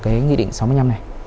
cái nghị định sáu mươi năm này